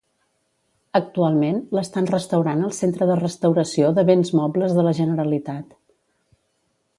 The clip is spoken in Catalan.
Actualment, l'estan restaurant al Centre de Restauració de Béns Mobles de la Generalitat.